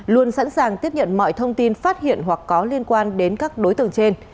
luôn sẵn sàng tiếp nhận mọi thông tin phát hiện hoặc có liên quan đến các đối tượng trên